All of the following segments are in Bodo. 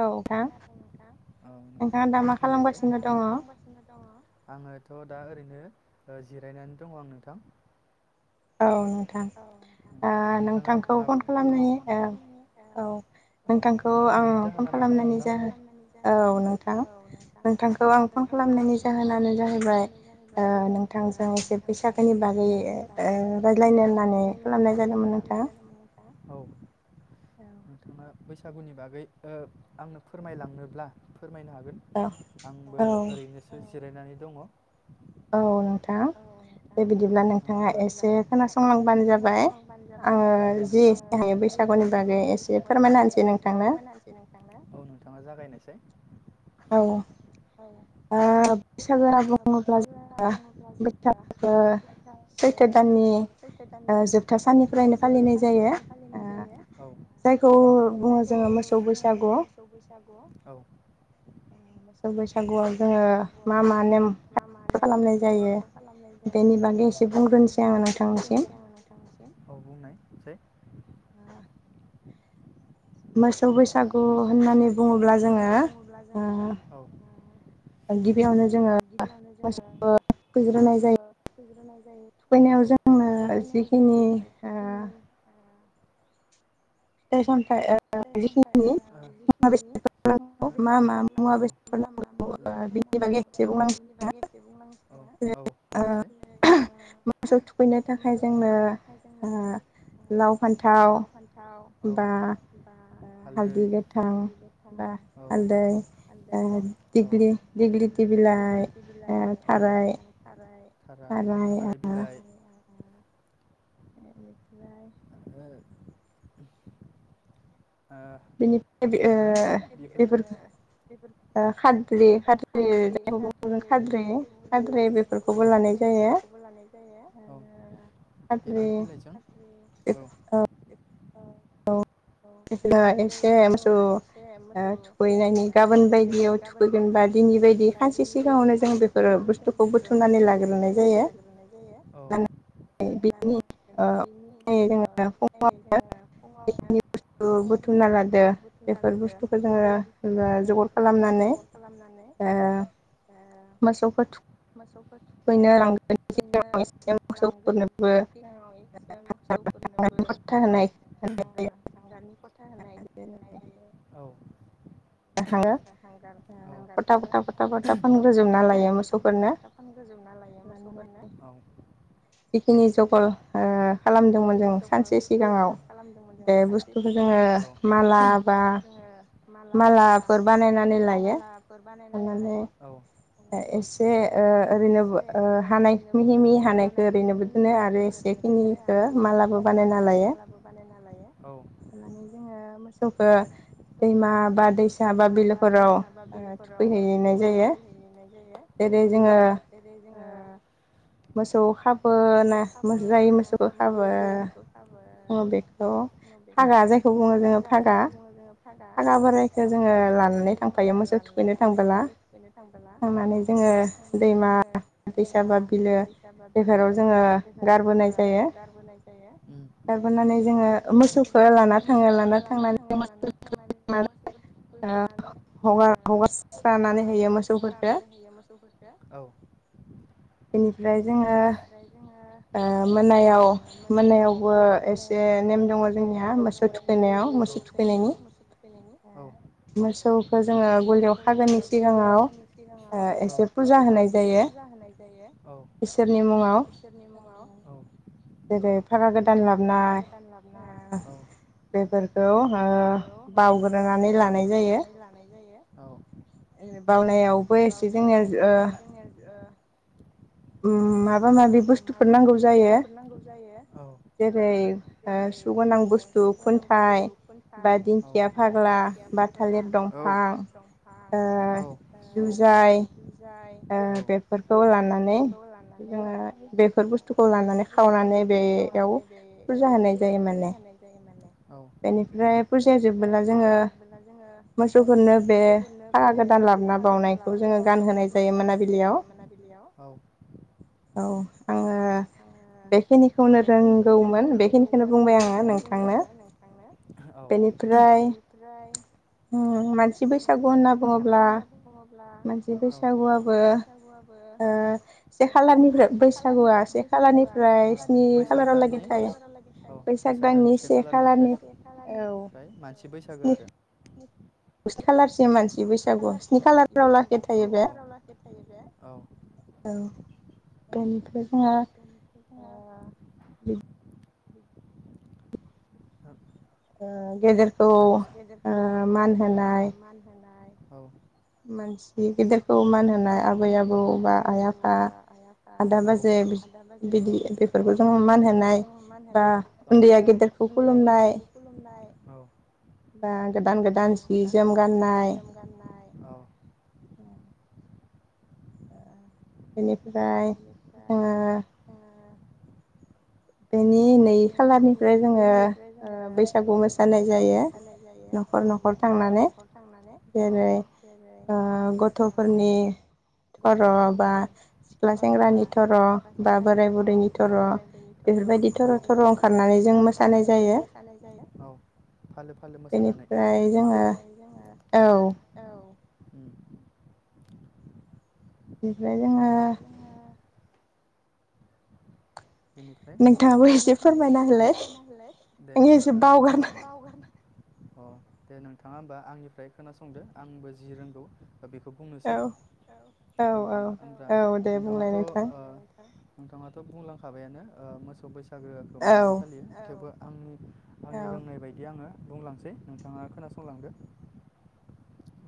औ थां नोंथां औ नोंथां बुंनायसाय नोंथाङा दा मा खालामगासिनो दङ आङोथ' दा ओरैनो ओ जिरायनानै दङ आं नोंथां। अ औ नोंथा नोंङा मा नोंथांखौ फन खालामनायनि ओ औ फन खामनायनि जाहोना मामोन नोंथां औ नोंथां नोंथांखौ आं फन खालाम नायनि जाहोनानो जाहैबाय ओ नोंथांजों एसे फैसागोनि बाग ए रायला ए रायज्लायनो होन्नानै खालामनाय जादोंमोन नोंथाङा। औ नोंथाङा बैसागुनि बागै ओ आंनो फोरमायलांनोब्ला फोरमायनो हागोन आंबो ओरैनोसो जिरायनानै दङ औ नोंथां बे बिदिब्ला नोंथाङा एसे खोनास एसे खोनासंलांबानो जाबाय औ दे नोंथां आङो जि हायो बैसागुनि बागै एसे फोरमायनासै नोंथांनो औ नोंथाङा जागायनो से औ औ आ बैसागुआ बुङोब्ला आ‌ दुखु दाहाखो सैथो दाननि ओ जोबथा साननिफ्रायनो फालिनाय जायो औ जायखौ बुङो जोङो मोसौ बैसागु औ मोसौ बैसागुआव जोङो मा मा नेम खालामनाय जायो बेनि बागै एसे बुंग्रोनोसै आङो नोंथां बुंगोनसै आङ नोंथांनिसिम औ बुंनायसाय हा मोसौ बैसागु होननानै बुङोब्ला जोङो ओ गिबियावनो जोङो मोसौखौ थुखैग्रोनाय जायो औ थुखैनायाव जोङो जिखिनि सेसन जिखिनि मुवा बेादफोर नांगौ मा मा मुवा बेसादफोर नांगौ बिनि बागै एसे बुंनांस औसै मोसौ थुखैनो थाखाय जोंनो लाव फान्थाव बा बा हालदै हालदै गोथां हालदैग्लिथि बिलाइ खाराय थाराय थाराय बिलाइ बेनिफ्राय [inaudible] ओ बेफोरजों खाद्रि खाद्रि जायखौ खाद्रि खाद्रि बेफोरखौबो लानाय जायो औ बेफोर बिलाइजों औ बेफोर बिलाइखौ जोङो एसे मोसौ ओ थुखैनानै गाबोन बायदियाव थुखैगेनबा जिनि बायदि खासे सिगाङावनो जों बेफोर बुस्थुखौ बुथुमनानै लाग्रोनाय जायो लाङो बेनि अयै जोङो [unintelligible] [unintelligible] बुसथु बुथुमना लादो औ बेफोर बुस्थुखौ जोङो जगार खालामनानै ओ मोसौफोरनो बेनो लांगोन सिगाङाव एसेगां मोसौफोरनोबो आगाननि खथा होनाय होनाय जायो औ हांगार हांगारखौ खथा खथा खथा खथा फोनग्रोजोबना लायो मोसौफोरनो जिखिनि जगल खालामदोंमोन जों सानसे सिगाङाव बे बुस्थु [unintelligible] [unintelligible] औ लानानै जोङो मोसौखौ दैमा बा दैसा बा बिलोफोराव थुखैहैनाय जायो। जेरै जोङो मोसौ खाबोना जायो मोसौखौ खाबो आङो बेखौ बेखौ फागा जायखौ बुङो जोङो फागा फागा बोरायखौ जोङो लानानै थांफायो मोसौ थुखैनो थांबोला थांनानै जोङो दैमा दैैसाबा बिलो बेफाराव जोङो गारबोनाय जायो गारबोनानै जोङो मोसौखौ लाना थाङो लाना थांनानै जों मोसौफोरखौ थुखैहैखांनानै हगार हगारसानानै होयो मोसौफोरखौ औ बेनिफ्राय जोङो मोनायाव मोनायावबो एसे नेम दङ जोंनिया मोसौ थुखैनायाव मोसौ थुखैनायनि औ मोसौखौ जोङो गलियाव खागोननि सिगाङाव एसे फुजा होनाय जायो औ इसोरनि मुङाव औ जेरै भारा गोदान लाबोननाय बेफोरखौ बावग्रोनानै लानाय जायो औ बावनायावबो एसे जोंनिया [inaudible] माबा माबि बुस्थुफोर नांगौ जायो जेरै सुगोनां सु गोनां बुस्थु खुन्थाइ बा दिंखिया फाग्ला थालिर दंफां बेफोरखौ लानानै जोङो बेफोर बुस्थुखौ लानानै खावनानै बेयाव फुजा होनाय जायो माने बेनिफ्राय फुजाया जोबोला जोङो मोसौफोरनो बे फागा गोदान लाबोना बावनायखौ जोङो गानहोनाय जायो मोनाबिलियाव औ आङो बेखिनिखौनो रोंगौमोन बेखिनिखौनो बुंबाय आङो नों बुंबाय आङो नोंथांनो औ बेनिफ्राय मानसि बैसागु होनना बुङोब्ला औ मानसि बैसागुआबो ओ से खालारनिफ्राय बैसागुआ से खालारनिफ्राय स्नि खालाराव लागै थायो बैसाग दाननि बैसाग दाननि से खालारनिफ्राय ओमफ्राय मानसि बैसागो आरो स्नि खालारसिम मानसि बैसागु स्नि खालाराव लाखे थायो बे औ बेनिफ्राय जोंहा [unintelligible] ओ गेदेरखौ मान होनाय औ मानसि गेदेरखौ मान होनाय आबै आबौ बा आइ आफा आदा बाजै बिदि बेफोरखौ जों मान होनाय बा उनदैआ गेदरखौ खुलुमनाय गोदान गोदान जि जोम गाननाय बेनिफ्राय जोङो बिनि नै खालारनिफ्राय जोङो ओ बैसागु मोसानाय जायो न'खर न'खर थांनानै जेरै ओ गथ'फोरनि गथ'फोरनि थर बा सिख्ला सेंग्रानि थर' औ बा बोराइ बुरैनि थर' अ बेफोरबायदि थर' थर'ओंखारनानै जों मोसानाय जायो अ फालो फालो मोसानानै बेनिफ्राय जोङो औ औ उम निफ्राय जोङो बेनिफ्राय नोंथाङाबो एसे फोरमायना हालाय दे होनबा ओ इयो एसे बावगारना अ दे नोंथाङा होमबा आंनिफ्राय खोनासंदो आंबो जि रोंगौ ओ बेखौ बुंनोसै नोंथाङा [unintelligible] नोंथाङाथ' ओ नोंथाङाथ' बुंलां खाबायानो ओ मोसौ बैस सागोखोआ माबायदि फालियो औ थेवबो आंनि आंनि रोंनाय बायदि आङो बुंलांसै नोंथाङा खोनासंलांदो।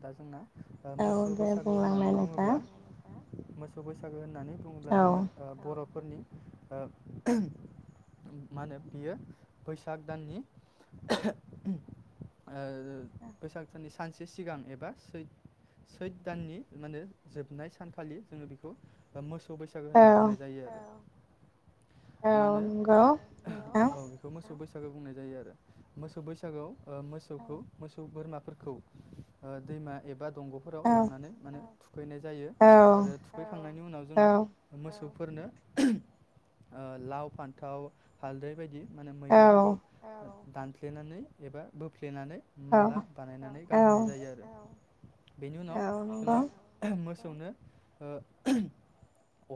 दा जोंना ओ मोसौ बैसागो होननानै बुङोब्ला मोसौ बैसागो होन नानै बुङोब्ला जोङो ओ बर' फोरनि ओ मा होनो बियो बैसाग दाननि [unintelligible] ओ ओ बैसाग साननि से सानसे सि सिगां एबा सै सैथ दाननि मानो जोबनाय सानखालि जोङो बेखौ ओ मोस सौ बैसागो होनना बुंनाय जायो आरो औ माहोनो औ नोंगौ औ बेखौ मोसौ बैस सागो बुंनाय जायो आरो मोसौ बैसागोआव ओ मोसौखौ मोसौ बोरमा फोरखौ ओ दैमा एबा दंग'फोराव लांनानै माने थुखैनाय जायो आरो थुखैखांनायनि उनाव जोङो ओ मोसौ फोरनो ओ लाव फान्थाव हालदै बायदि मानो मैगंफोरखौ औ दानफ्लेनानै एबा बोफ्ले फ्लेनानै माला बानायनानै गानहोनाय बेनि उनाव जोङो [unintelligible] मोस मोसौनो ओ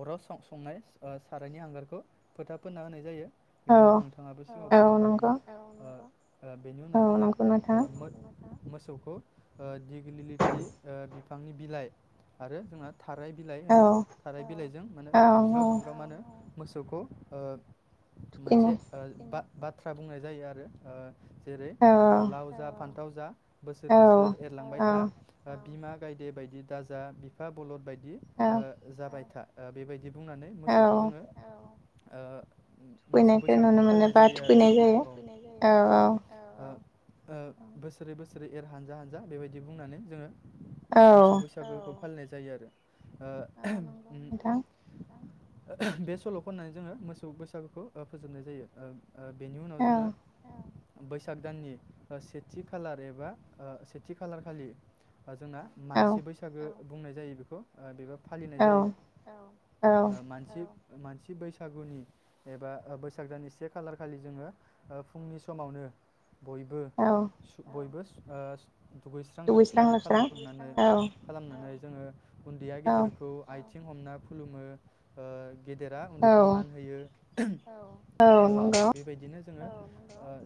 अराव सं-संनाय ओ सारायनि हांगारखौ फोथा फोनना होनाय जायो बेखौ नोंथाङाबो सिगाङाव बुंलां खादोंमोन ओ औ नंगौ ओ बेनि उनाव जोंना ओ मो मोसौखौ ओ दिग लिलिथि ओ बि बिफांनि बिलाइ आरो जोंना थाराय बिलाइ होनो थाराय बिलाइजों माने बुज्राव बुज्राव मा होनो मोसौखौ ओ मोनसे ओ बा बाथ्रा बुंनाय जायो आरो ओ जेरै लाव जा फान्थाव जा बोसोर बोसोर सोर एरलांबाय था बिमा गायदे बायदि दाजा बिफा बलद बायदि बिदि ओ जाबाय था ओ बेबायदि बुंनानै मोसौखौ जोङो औ ओ मोसौ बैसागुखौ फालिनाय जायो आरो औ ओ ओ बोसोरै बोसोर स्रि एर हानजा हानजा जा बेबायदि बुंनानै जोङो मोसौ बैसागुखौ फालिनाय जायो आरो ओ [unintelligible] [unintelligible] बे सल' खननानै जोङो मोसौ बैसागुखौ ओ फोजोबनाय जायो ओ ओ बेनि उनाव जोङो औ बैसाग दाननि सेथि खालार एबा ओ से थि खालार खालि बा जोंना मानसि बैसागो बुंनाय जायो बेखौ ओ बेबा फालिनाय जायो औ ओ मानसि मानसि बैसागुनि एबा बैसागो दान से खालार खालि जोङो फुंनि समावनो बयबो बयबो ओ दुगैस्रां लोबस्रां खालामखांनानै खालामनानै जोङो उन्दैया गेदेरखौ आइथि थिं हमना खुलुमो गेदेरा उन्दैखौ मान होयो [inaudible] औ नंगौ जोङो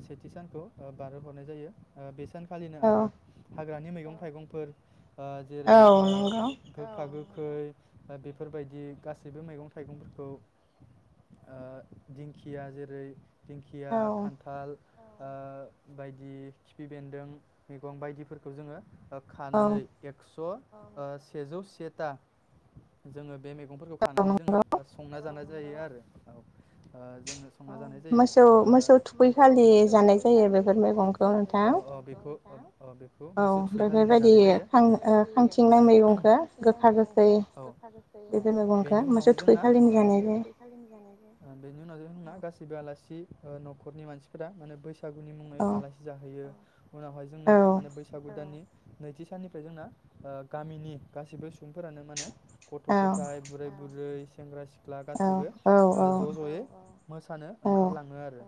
सेथि सानखौ बारहो हरनाय जायो बे सान फालिनो आरो हाग्रानि मैगं थाइगंफोर ओ जेरै ओ गोखा गोखै गोखै बेफोरबायदि गासैबो मैगं थाइगंफोरखौ ओ दिंखिया जेरै दिंखिया खान्थाल ओ बायदि खिफि बेन्दों गं बायदिफोरखौ जोङो खानानै एक्स' सेजौ सेटा जोङो बे मे फोरखौ खानानै जोङो ओ संना जानो जायो आरो औ ओ जोङो संना जानाय जायो मोसौ- मोसौ थुखै खालि जानाय जायो बेफोर मैगंखौ नोंथां अ बेखौ मोसौ थुखै खालिनो जानाय जायो बेबायदि खां-खांथिंनाय मैगंखो गोखा गोखै बेनि उनावहाय जोंना बेनि उनाव जों गासैबो आलासि नखरनि मानसिफोरा माने बैस बैसागुनि मुङै आलासि जाहैयो उनावहाय जोंना माने बैसागु दाननि नैथि साननिफ्राय जोंना ओ गामिनि गासैबो सुबुंफोरानो मा होनो गथ' गथाइ बोराइ बुरै सेंग्रा सि सिख्ला गासैबो ज' ज'यै मोसानो ओंखारलाङो आरो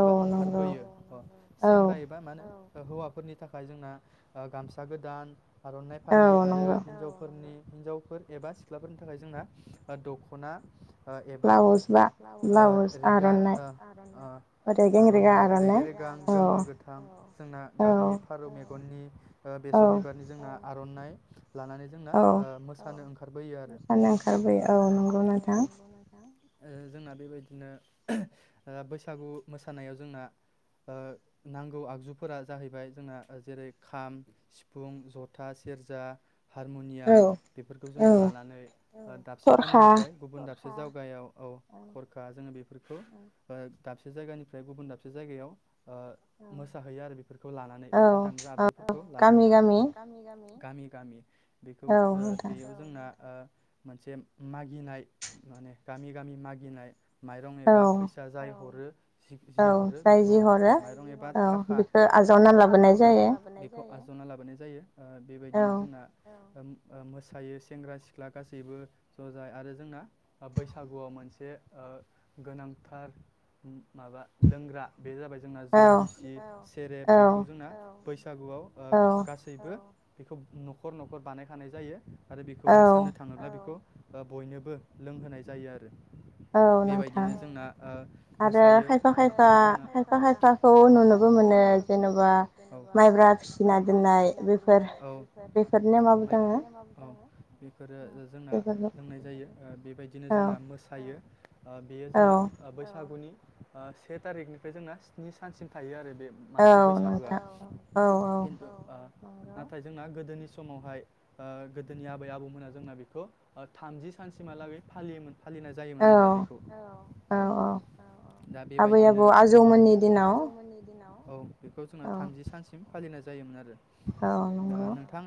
एबा ओंखारबोयो अ सेंग्रा एबा मा होनो हौवाफोरनि थाखाय जोंना ओ गामसा गोदान आर'नाइ फालि आरो हिन्जावफोरनि हिनजावफोर एबा सिख्लाफोरनि थाखाय जोंना दख'ना ओ एबा ओ रेगा आर'नाइ रेगे रेगां गोमो गोथां जोंना गाबनि मेगननि ओ बेसर बिबारनि जोंना आर'नाइ लानानै जोंना ओ मोसानो ओंखारबोयो आरो औ जोंना बेबायदिनो ओ बैसागु मोसानायाव जोंना ओ नांगौ आगजुफोरा जाहैबाय जोंना जेरै खाम सिफुं जथा सेरजा हारमुनियाम बेफोरखौ जोङो लानानै दाबसे गामिनिफ्राय गुबुन दाब जावगायाव औ खरखा जोङो बेफोरखौ ओ दाबसे जायगानिफ्राय गुबुन दाबसे जायगायाव ओ मोसाहैयो आरो बेफोरखौ लानानै बे दामग्रा आबजुफोरखौ लानानै गामि गामि गामि गामि बेखौ ओ बेयो जोंना ओ मोनसे मागिनाय माने गामि गामि मागिनाय माइरं एबा फैसा जाय हरो जि हरो बेखौ माइरं एबा थाखा अ आजावना लाबोनाय जायो आजावना लाबोनाय जायो ओ बेबायदिनो जोंना उम ओ मोसायो सेंग्रा सिख्ला गासैबो ज' जाय आरो जोंना बैसागुआव मोनसे ओ गोनांथार माबा लोंग्रा बे जाबाय जोंना जौ गिसि सेरेब बे ओ बै सागुआव ओ गासैबो बेखौ नखर नखर बानायखानाय जायो आरो बेखौ मोसानो थाङोब्ला बेखौ ओ बयनोबो लोंहोनाय जायो आरो बेबायदिनो जोंना ओ मोसायो आरो खायफा खायफा खायफा खायफाखौ नुनो नुनोबो मोनो जेनबा माइब्रा फिसिना दोननाय औ बेफोरो जोंना लोंनाय जायो बेबायदिनो जोंना मोसायो [unintelligible] ओ बेयो जोंना ओ बैसागुनि ओ से थारिखनिफ्राय जोंना स्नि सानसिम थायो आरो बे मानसि बैसागोआ किनतु ओ नाथाय जोंना गोदोनि समावहाय ओ गोदोनि आबै आबौमोनहा जोंना बेखौ ओ थामजि सानसिमहालागै फालियोमोन फालिनाय जायोमोन आरो बेखौ औ दा बेबायदिनो जोंनि आबै आबौ आजौमोननि दिनाव औ बेखौ जोङो थामजि सानसिम फालिनाय जा जायोमोन आरो औ नंगौ